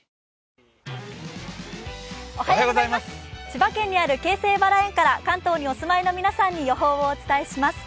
千葉県にある京成バラ園から、関東にお住まいの皆さんに予報をお伝えします。